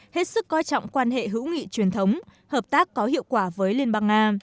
hết sức coi trọng quan hệ hữu nghị truyền thống hợp tác có hiệu quả với liên bang nga